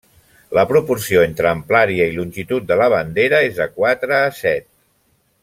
La proporció entre amplària i longitud de la bandera, és de quatre a set.